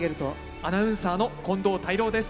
アナウンサーの近藤泰郎です。